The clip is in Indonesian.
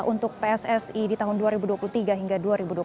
untuk pssi di tahun dua ribu dua puluh tiga hingga dua ribu dua puluh